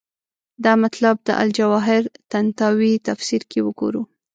دا مطلب د الجواهر طنطاوي تفسیر کې وګورو.